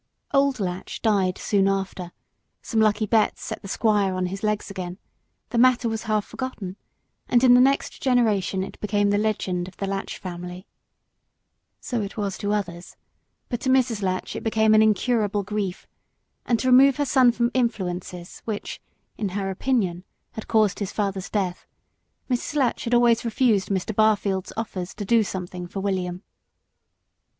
Old Latch died soon after, some lucky bets set the squire on his legs again, the matter was half forgotten, and in the next generation it became the legend of the Latch family. But to Mrs. Latch it was an incurable grief, and to remove her son from influences which, in her opinion, had caused his father's death, Mrs. Latch had always refused Mr. Barfield's offers to do something for William.